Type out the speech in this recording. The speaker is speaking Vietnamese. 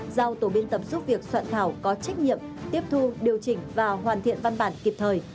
giao tổ biên tập giúp việc soạn thảo có trách nhiệm tiếp thu điều chỉnh và hoàn thiện văn bản kịp thời